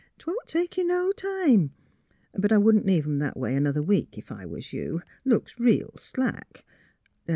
'Twon't take you no time. But I wouldn't leave 'em that a way 'nother week, ef I was you. Looks reel slack.